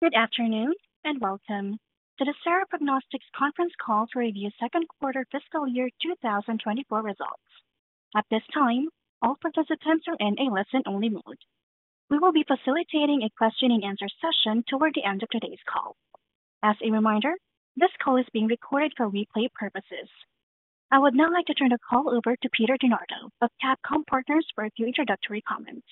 Good afternoon and welcome. This is Sera Prognostics' conference call to review second quarter fiscal year 2024 results. At this time, all participants are in a listen-only mode. We will be facilitating a question-and-answer session toward the end of today's call. As a reminder, this call is being recorded for replay purposes. I would now like to turn the call over to Peter DeNardo of CapComm Partners for a few introductory comments.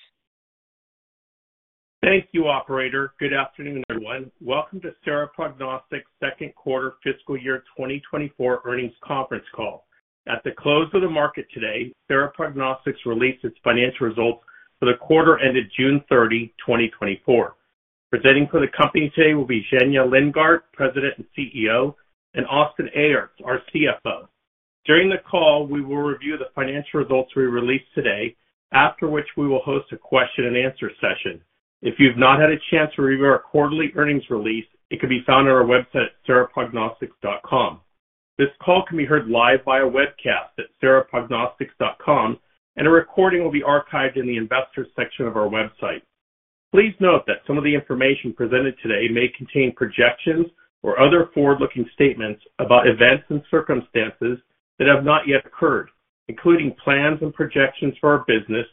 Thank you, operator. Good afternoon, everyone. Welcome to Sera Prognostics' Second Quarter Fiscal Year 2024 Earnings Conference Call. At the close of the market today, Sera Prognostics released its financial results for the quarter ended June 30, 2024. Presenting for the company today will be Zhenya Lindgardt, President and CEO, and Austin Aerts, our CFO. During the call, we will review the financial results we released today, after which we will host a question-and-answer session. If you've not had a chance to review our quarterly earnings release, it can be found on our website at seraprognostics.com. This call can be heard live via webcast at seraprognostics.com, and a recording will be archived in the investors' section of our website. Please note that some of the information presented today may contain projections or other forward-looking statements about events and circumstances that have not yet occurred, including plans and projections for our business,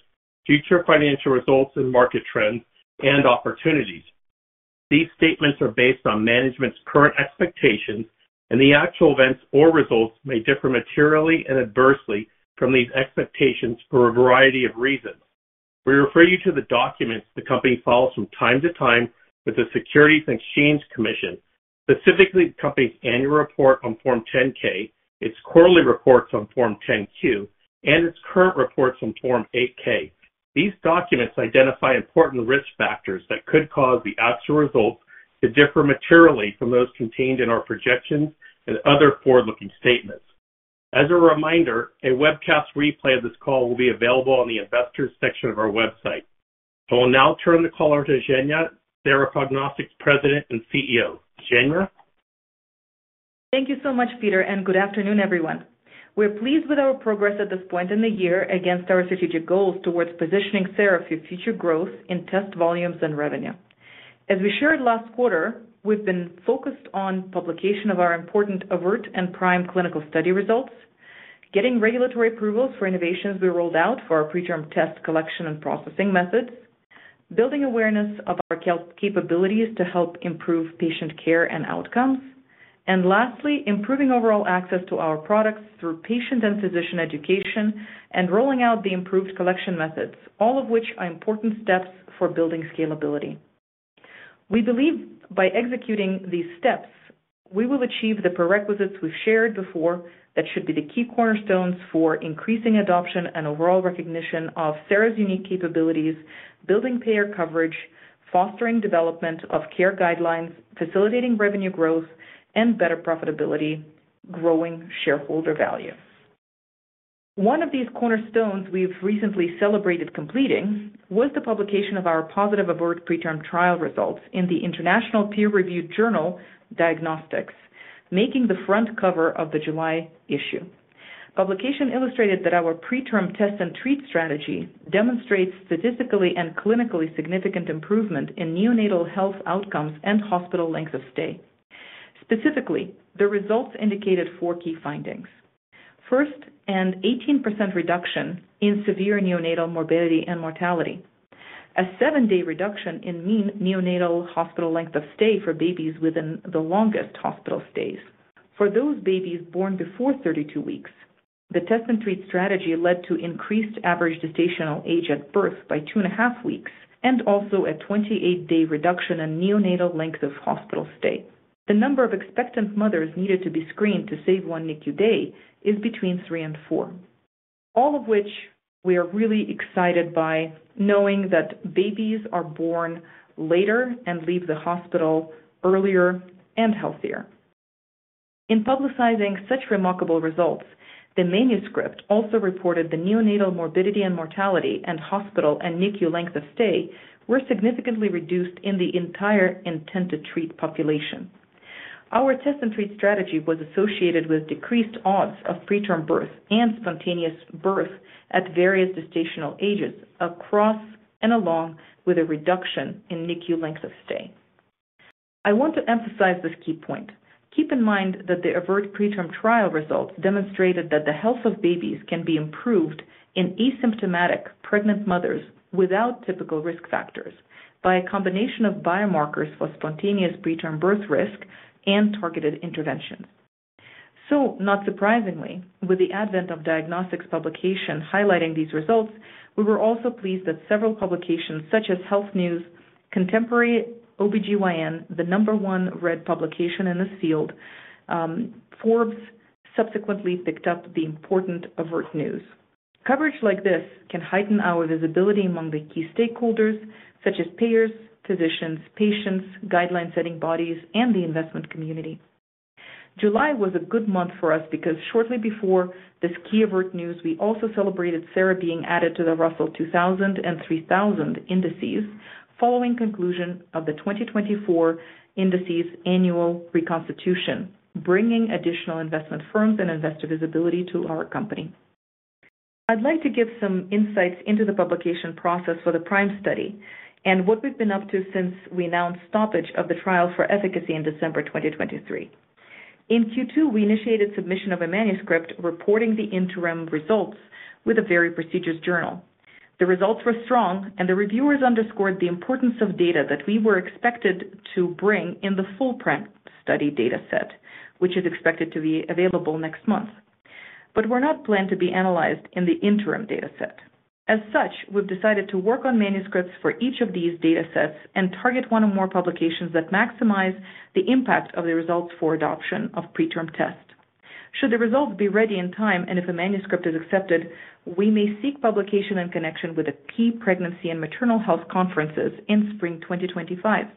future financial results and market trends, and opportunities. These statements are based on management's current expectations, and the actual events or results may differ materially and adversely from these expectations for a variety of reasons. We refer you to the documents the company files from time to time with the Securities and Exchange Commission, specifically the company's annual report on Form 10-K, its quarterly reports on Form 10-Q, and its current reports on Form 8-K. These documents identify important risk factors that could cause the actual results to differ materially from those contained in our projections and other forward-looking statements. As a reminder, a webcast replay of this call will be available on the investors' section of our website. I will now turn the call over to Zhenya, Sera Prognostics President and CEO. Zhenya? Thank you so much, Peter, and good afternoon, everyone. We're pleased with our progress at this point in the year against our strategic goals towards positioning Sera for future growth in test volumes and revenue. As we shared last quarter, we've been focused on the publication of our important AVERT and PRIME clinical study results, getting regulatory approvals for innovations we rolled out for our PreTRM test collection and processing methods, building awareness of our capabilities to help improve patient care and outcomes, and lastly, improving overall access to our products through patient and physician education and rolling out the improved collection methods, all of which are important steps for building scalability. We believe by executing these steps, we will achieve the prerequisites we've shared before that should be the key cornerstones for increasing adoption and overall recognition of Sera's unique capabilities, building payer coverage, fostering development of care guidelines, facilitating revenue growth, and better profitability, growing shareholder value. One of these cornerstones we've recently celebrated completing was the publication of our positive AVERT PreTRM trial results in the international peer-reviewed journal Diagnostics, making the front cover of the July issue. Publication illustrated that our PreTRM test and treat strategy demonstrates statistically and clinically significant improvement in neonatal health outcomes and hospital length of stay. Specifically, the results indicated four key findings. First, an 18% reduction in severe neonatal morbidity and mortality, a seven-day reduction in mean neonatal hospital length of stay for babies within the longest hospital stays. For those babies born before 32 weeks, the test and treat strategy led to increased average gestational age at birth by 2.5 weeks and also a 28-day reduction in neonatal length of hospital stay. The number of expectant mothers needed to be screened to save 1 NICU day is between three and four, all of which we are really excited by knowing that babies are born later and leave the hospital earlier and healthier. In publicizing such remarkable results, the manuscript also reported the neonatal morbidity and mortality and hospital and NICU length of stay were significantly reduced in the entire intended treat population. Our test and treat strategy was associated with decreased odds of preterm birth and spontaneous birth at various gestational ages across and along with a reduction in NICU length of stay. I want to emphasize this key point. Keep in mind that the AVERT PreTRM trial results demonstrated that the health of babies can be improved in asymptomatic pregnant mothers without typical risk factors by a combination of biomarkers for spontaneous preterm birth risk and targeted interventions. So, not surprisingly, with the advent of Diagnostics publication highlighting these results, we were also pleased that several publications such as HealthNews, Contemporary OB/GYN, the number one read publication in this field, Forbes subsequently picked up the important AVERT news. Coverage like this can heighten our visibility among the key stakeholders such as payers, physicians, patients, guideline-setting bodies, and the investment community. July was a good month for us because shortly before this key AVERT news, we also celebrated Sera being added to the Russell 2000 and 3000 indices following conclusion of the 2024 indices annual reconstitution, bringing additional investment firms and investor visibility to our company. I'd like to give some insights into the publication process for the PRIME study and what we've been up to since we announced stoppage of the trial for efficacy in December 2023. In Q2, we initiated submission of a manuscript reporting the interim results with a very prestigious journal. The results were strong, and the reviewers underscored the importance of data that we were expected to bring in the full PRIME study data set, which is expected to be available next month, but were not planned to be analyzed in the interim data set. As such, we've decided to work on manuscripts for each of these data sets and target one or more publications that maximize the impact of the results for adoption of PreTRM test. Should the results be ready in time and if a manuscript is accepted, we may seek publication and connection with the key pregnancy and maternal health conferences in spring 2025.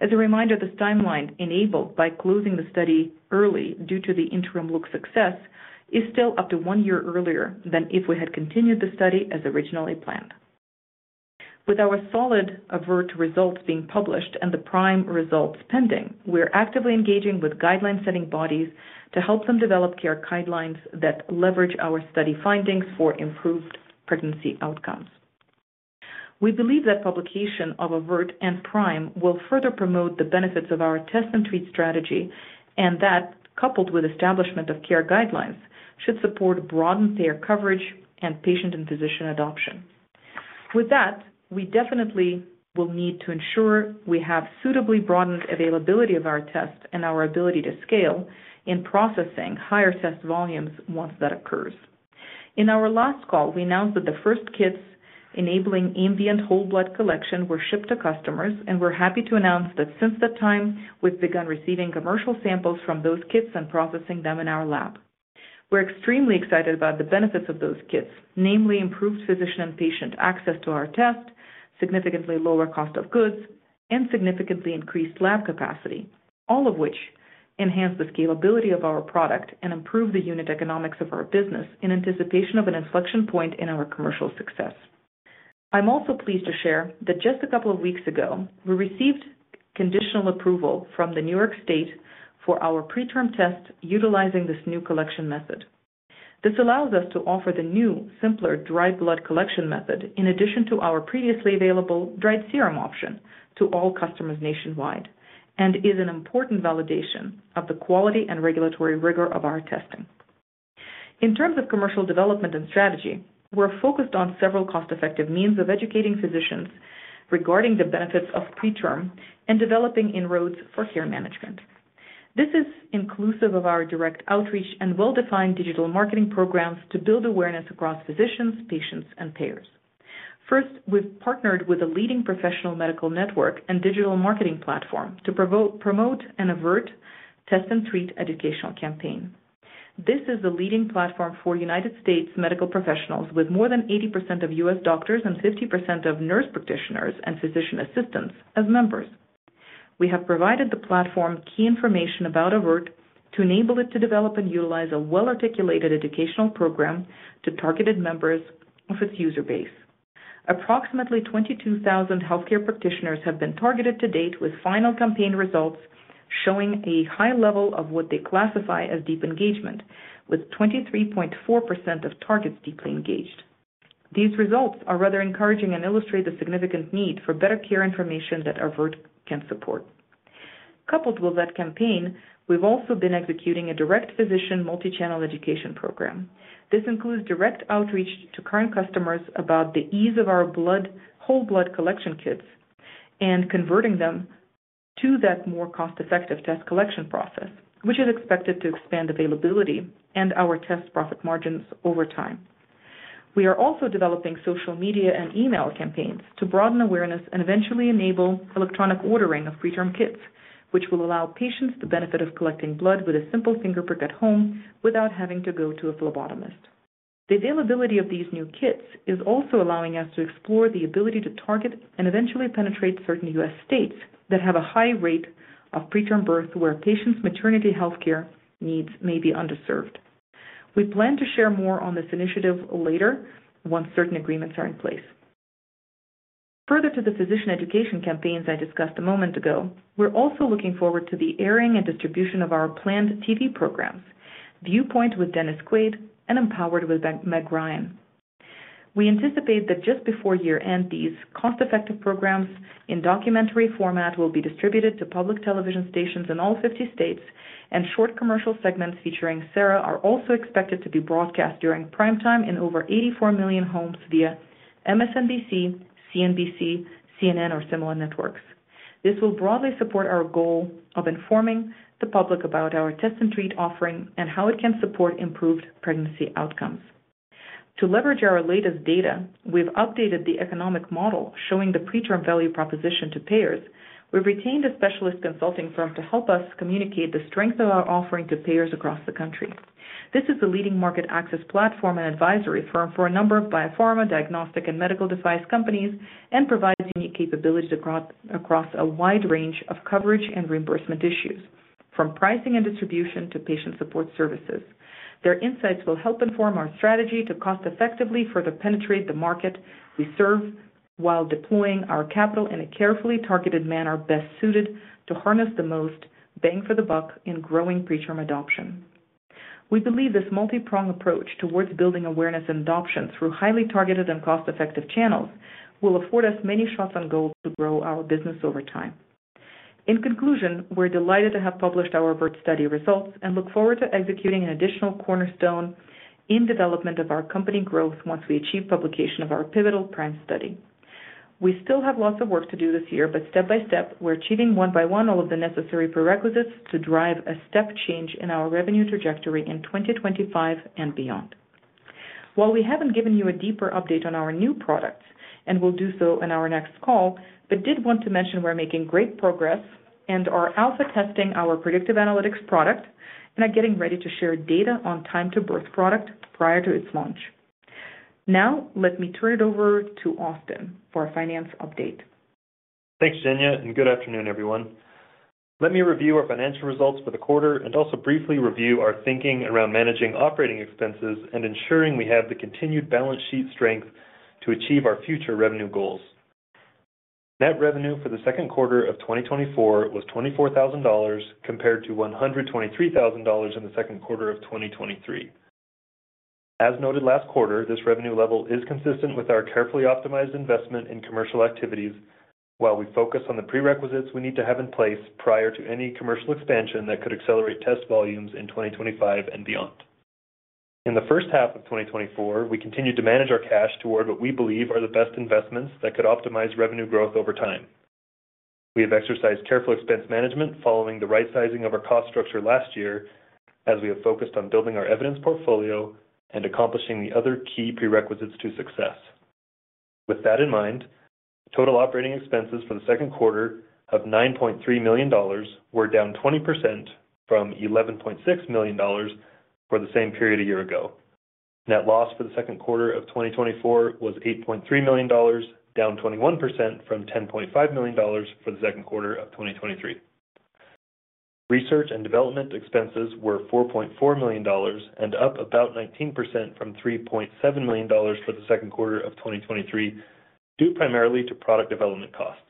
As a reminder, this timeline enabled by closing the study early due to the interim look success is still up to one year earlier than if we had continued the study as originally planned. With our solid AVERT results being published and the PRIME results pending, we're actively engaging with guideline-setting bodies to help them develop care guidelines that leverage our study findings for improved pregnancy outcomes. We believe that publication of AVERT and PRIME will further promote the benefits of our test and treat strategy and that, coupled with establishment of care guidelines, should support broadened payer coverage and patient and physician adoption. With that, we definitely will need to ensure we have suitably broadened availability of our test and our ability to scale in processing higher test volumes once that occurs. In our last call, we announced that the first kits enabling ambient whole blood collection were shipped to customers, and we're happy to announce that since that time, we've begun receiving commercial samples from those kits and processing them in our lab. We're extremely excited about the benefits of those kits, namely improved physician and patient access to our test, significantly lower cost of goods, and significantly increased lab capacity, all of which enhance the scalability of our product and improve the unit economics of our business in anticipation of an inflection point in our commercial success. I'm also pleased to share that just a couple of weeks ago, we received conditional approval from the New York State for our PreTRM Test utilizing this new collection method. This allows us to offer the new, simpler dry blood collection method in addition to our previously available dried serum option to all customers nationwide and is an important validation of the quality and regulatory rigor of our testing. In terms of commercial development and strategy, we're focused on several cost-effective means of educating physicians regarding the benefits of PreTRM and developing inroads for care management. This is inclusive of our direct outreach and well-defined digital marketing programs to build awareness across physicians, patients, and payers. First, we've partnered with a leading professional medical network and digital marketing platform to promote an AVERT test and treat educational campaign. This is a leading platform for United States medical professionals with more than 80% of U.S. doctors and 50% of nurse practitioners and physician assistants as members. We have provided the platform key information about AVERT to enable it to develop and utilize a well-articulated educational program to targeted members of its user base. Approximately 22,000 healthcare practitioners have been targeted to date with final campaign results showing a high level of what they classify as deep engagement, with 23.4% of targets deeply engaged. These results are rather encouraging and illustrate the significant need for better care information that AVERT can support. Coupled with that campaign, we've also been executing a direct physician multi-channel education program. This includes direct outreach to current customers about the ease of our whole blood collection kits and converting them to that more cost-effective test collection process, which is expected to expand availability and our test profit margins over time. We are also developing social media and email campaigns to broaden awareness and eventually enable electronic ordering of PreTRM kits, which will allow patients the benefit of collecting blood with a simple fingerprint at home without having to go to a phlebotomist. The availability of these new kits is also allowing us to explore the ability to target and eventually penetrate certain U.S. states that have a high rate of preterm birth where patients' maternity healthcare needs may be underserved. We plan to share more on this initiative later once certain agreements are in place. Further to the physician education campaigns I discussed a moment ago, we're also looking forward to the airing and distribution of our planned TV programs, Viewpoint with Dennis Quaid and Empowered with Meg Ryan. We anticipate that just before year-end, these cost-effective programs in documentary format will be distributed to public television stations in all 50 states, and short commercial segments featuring Sera are also expected to be broadcast during prime time in over 84 million homes via MSNBC, CNBC, CNN, or similar networks. This will broadly support our goal of informing the public about our test and treat offering and how it can support improved pregnancy outcomes. To leverage our latest data, we've updated the economic model showing the PreTRM value proposition to payers. We've retained a specialist consulting firm to help us communicate the strength of our offering to payers across the country. This is a leading market access platform and advisory firm for a number of biopharma, diagnostic, and medical device companies and provides unique capabilities across a wide range of coverage and reimbursement issues, from pricing and distribution to patient support services. Their insights will help inform our strategy to cost-effectively further penetrate the market we serve while deploying our capital in a carefully targeted manner best suited to harness the most bang for the buck in growing PreTRM adoption. We believe this multi-pronged approach towards building awareness and adoption through highly targeted and cost-effective channels will afford us many shots on goal to grow our business over time. In conclusion, we're delighted to have published our AVERT study results and look forward to executing an additional cornerstone in development of our company growth once we achieve publication of our pivotal PRIME study. We still have lots of work to do this year, but step by step, we're achieving one by one all of the necessary prerequisites to drive a step change in our revenue trajectory in 2025 and beyond. While we haven't given you a deeper update on our new products and will do so in our next call, I did want to mention we're making great progress and are alpha testing our predictive analytics product and are getting ready to share data on time-to-birth product prior to its launch. Now, let me turn it over to Austin for a finance update. Thanks, Zhenya, and good afternoon, everyone. Let me review our financial results for the quarter and also briefly review our thinking around managing operating expenses and ensuring we have the continued balance sheet strength to achieve our future revenue goals. Net revenue for the second quarter of 2024 was $24,000 compared to $123,000 in the second quarter of 2023. As noted last quarter, this revenue level is consistent with our carefully optimized investment in commercial activities while we focus on the prerequisites we need to have in place prior to any commercial expansion that could accelerate test volumes in 2025 and beyond. In the first half of 2024, we continued to manage our cash toward what we believe are the best investments that could optimize revenue growth over time. We have exercised careful expense management following the right sizing of our cost structure last year as we have focused on building our evidence portfolio and accomplishing the other key prerequisites to success. With that in mind, total operating expenses for the second quarter of $9.3 million were down 20% from $11.6 million for the same period a year ago. Net loss for the second quarter of 2024 was $8.3 million, down 21% from $10.5 million for the second quarter of 2023. Research and development expenses were $4.4 million and up about 19% from $3.7 million for the second quarter of 2023 due primarily to product development costs.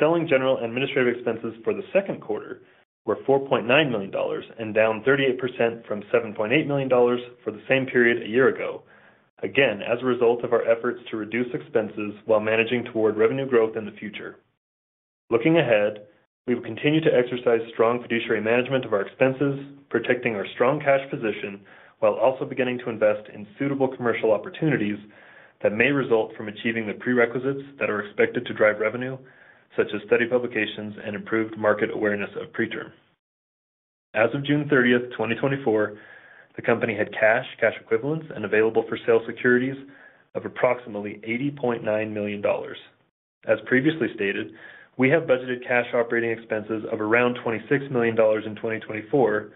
Selling general administrative expenses for the second quarter were $4.9 million and down 38% from $7.8 million for the same period a year ago, again as a result of our efforts to reduce expenses while managing toward revenue growth in the future. Looking ahead, we will continue to exercise strong fiduciary management of our expenses, protecting our strong cash position while also beginning to invest in suitable commercial opportunities that may result from achieving the prerequisites that are expected to drive revenue, such as study publications and improved market awareness of PreTRM. As of June 30th, 2024, the company had cash, cash equivalents, and available for sale securities of approximately $80.9 million. As previously stated, we have budgeted cash operating expenses of around $26 million in 2024,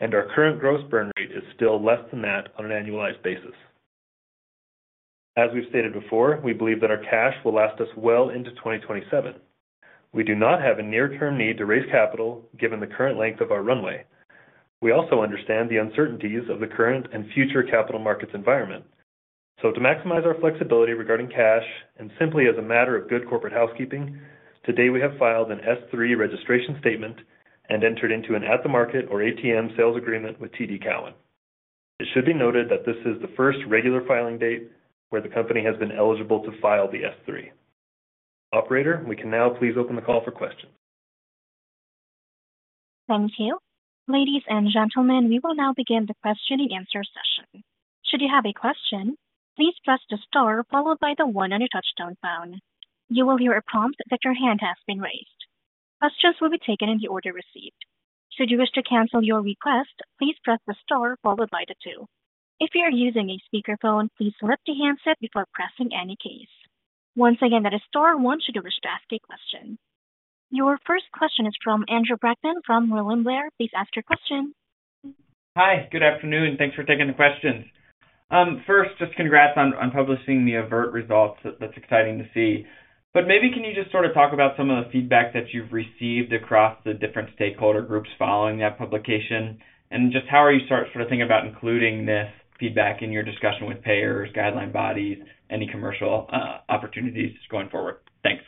and our current gross burn rate is still less than that on an annualized basis. As we've stated before, we believe that our cash will last us well into 2027. We do not have a near-term need to raise capital given the current length of our runway. We also understand the uncertainties of the current and future capital markets environment. So, to maximize our flexibility regarding cash and simply as a matter of good corporate housekeeping, today we have filed an S-3 registration statement and entered into an at-the-market or ATM sales agreement with TD Cowen. It should be noted that this is the first regular filing date where the company has been eligible to file the S-3. Operator, we can now please open the call for questions. Thank you. Ladies and gentlemen, we will now begin the question and answer session. Should you have a question, please press the star followed by the one on your touch-tone phone. You will hear a prompt that your hand has been raised. Questions will be taken in the order received. Should you wish to cancel your request, please press the star followed by the two. If you are using a speakerphone, please pick up the handset before pressing any keys. Once again, that is star one, should you wish to ask a question. Your first question is from Andrew Brackmann from William Blair. Please ask your question. Hi, good afternoon. Thanks for taking the questions. First, just congrats on publishing the AVERT results. That's exciting to see. But maybe can you just sort of talk about some of the feedback that you've received across the different stakeholder groups following that publication and just how are you sort of thinking about including this feedback in your discussion with payers, guideline bodies, any commercial opportunities going forward? Thanks.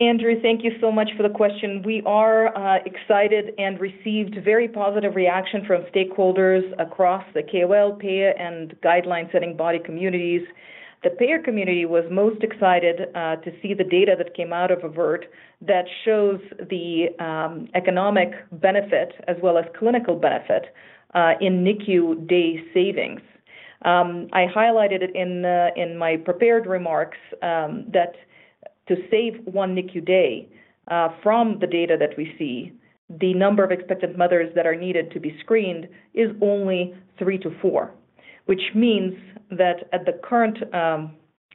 Andrew, thank you so much for the question. We are excited and received very positive reaction from stakeholders across the KOL, payer, and guideline-setting body communities. The payer community was most excited to see the data that came out of AVERT that shows the economic benefit as well as clinical benefit in NICU day savings. I highlighted it in my prepared remarks that to save one NICU day from the data that we see, the number of expected mothers that are needed to be screened is only 3-4, which means that at the current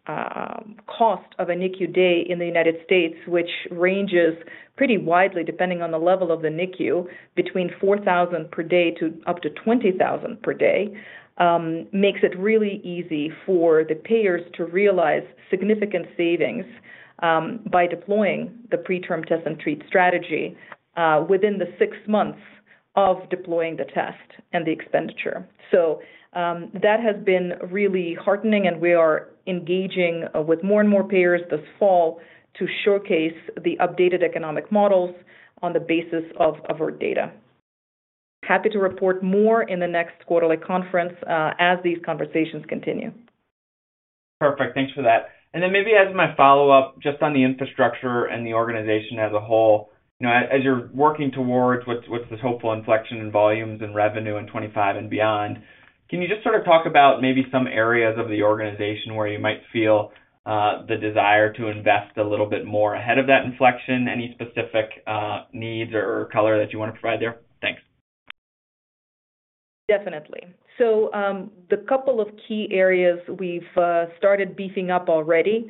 cost of a NICU day in the United States, which ranges pretty widely depending on the level of the NICU, between $4,000 per day to up to $20,000 per day, makes it really easy for the payers to realize significant savings by deploying the PreTRM test and treat strategy within the six months of deploying the test and the expenditure. So that has been really heartening, and we are engaging with more and more payers this fall to showcase the updated economic models on the basis of AVERT data. Happy to report more in the next quarterly conference as these conversations continue. Perfect. Thanks for that. And then maybe as my follow-up, just on the infrastructure and the organization as a whole, as you're working towards what's this hopeful inflection in volumes and revenue in 2025 and beyond, can you just sort of talk about maybe some areas of the organization where you might feel the desire to invest a little bit more ahead of that inflection? Any specific needs or color that you want to provide there? Thanks. Definitely. So the couple of key areas we've started beefing up already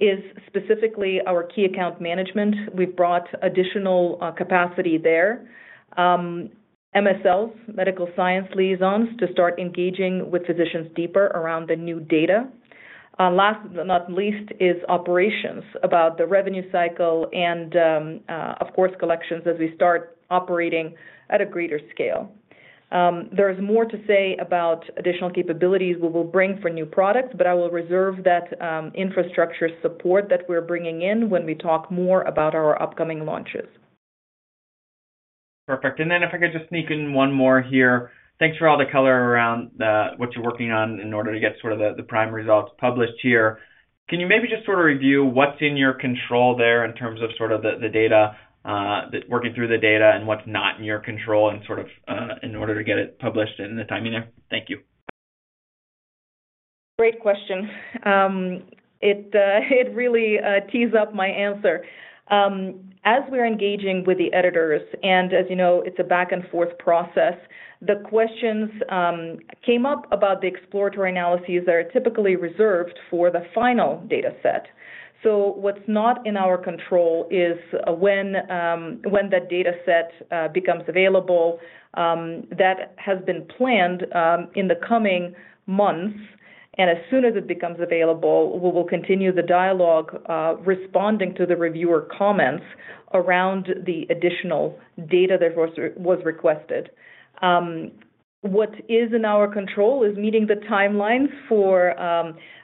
is specifically our key account management. We've brought additional capacity there, MSLs, Medical Science Liaisons, to start engaging with physicians deeper around the new data. Last but not least is operations about the revenue cycle and, of course, collections as we start operating at a greater scale. There is more to say about additional capabilities we will bring for new products, but I will reserve that infrastructure support that we're bringing in when we talk more about our upcoming launches. Perfect. And then if I could just sneak in one more here, thanks for all the color around what you're working on in order to get sort of the PRIME results published here. Can you maybe just sort of review what's in your control there in terms of sort of the data, working through the data and what's not in your control in sort of in order to get it published in the timing there? Thank you. Great question. It really tees up my answer. As we're engaging with the editors, and as you know, it's a back-and-forth process, the questions came up about the exploratory analyses that are typically reserved for the final dataset. So what's not in our control is when that dataset becomes available. That has been planned in the coming months. And as soon as it becomes available, we will continue the dialogue responding to the reviewer comments around the additional data that was requested. What is in our control is meeting the timelines for,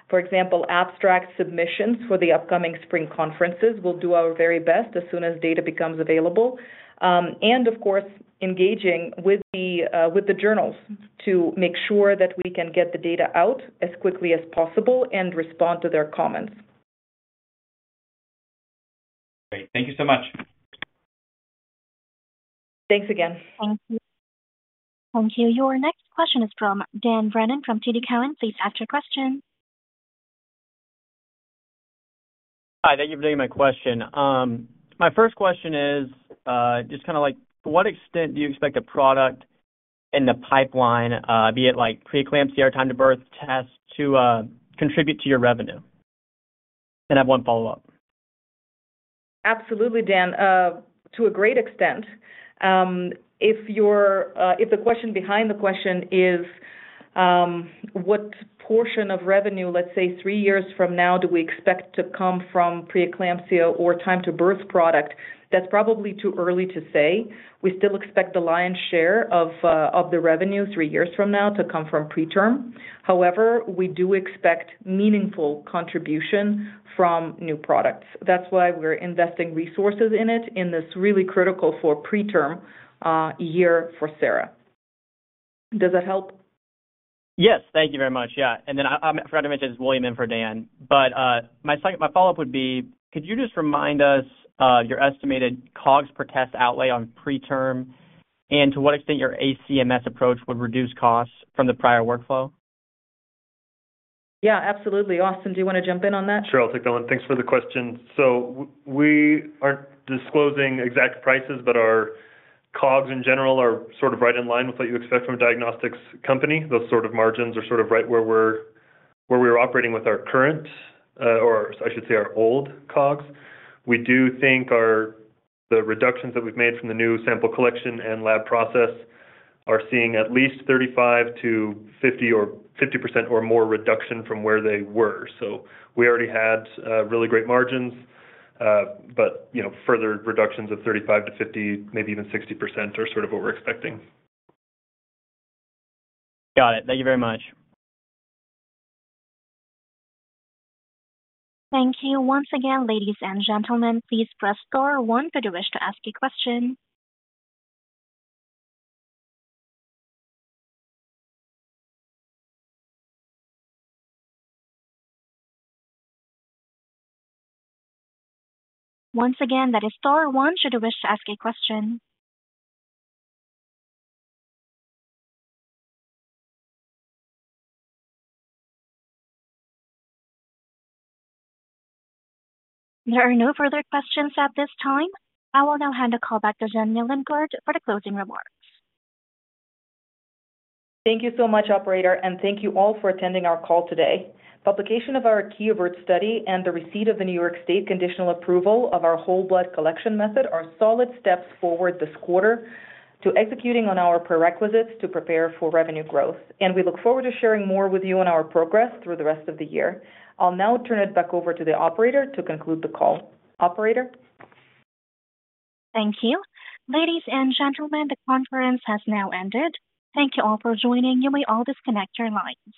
for example, abstract submissions for the upcoming spring conferences. We'll do our very best as soon as data becomes available. And of course, engaging with the journals to make sure that we can get the data out as quickly as possible and respond to their comments. Great. Thank you so much. Thanks again. Thank you. Your next question is from Dan Brennan from TD Cowen. Please ask your question. Hi. Thank you for taking my question. My first question is just kind of like, to what extent do you expect a product in the pipeline, be it preeclampsia, time-to-birth test to contribute to your revenue? And I have one follow-up. Absolutely, Dan. To a great extent. If the question behind the question is what portion of revenue, let's say, three years from now, do we expect to come from preeclampsia or time-to-birth product, that's probably too early to say. We still expect the lion's share of the revenue three years from now to come from PreTRM. However, we do expect meaningful contribution from new products. That's why we're investing resources in it in this really critical for PreTRM year for Sera. Does that help? Yes. Thank you very much. Yeah. And then, I forgot to mention, it's William in for Dan. But my follow-up would be, could you just remind us of your estimated COGS per test outlay on preterm and to what extent your ACMS approach would reduce costs from the prior workflow? Yeah, absolutely. Austin, do you want to jump in on that? Sure. I'll take that one. Thanks for the question. So we aren't disclosing exact prices, but our COGS in general are sort of right in line with what you expect from a diagnostics company. Those sort of margins are sort of right where we're operating with our current, or I should say our old COGS. We do think the reductions that we've made from the new sample collection and lab process are seeing at least 35%-50% or 50% or more reduction from where they were. So we already had really great margins, but further reductions of 35%-50%, maybe even 60% are sort of what we're expecting. Got it. Thank you very much. Thank you. Once again, ladies and gentlemen, please press star one if you wish to ask a question. Once again, that is star one should you wish to ask a question. There are no further questions at this time. I will now hand a call back to Zhenya Lindgardt for the closing remarks. Thank you so much, operator, and thank you all for attending our call today. Publication of our key AVERT study and the receipt of the New York State conditional approval of our whole blood collection method are solid steps forward this quarter to executing on our prerequisites to prepare for revenue growth. We look forward to sharing more with you on our progress through the rest of the year. I'll now turn it back over to the operator to conclude the call. Operator. Thank you. Ladies and gentlemen, the conference has now ended. Thank you all for joining. You may all disconnect your lines.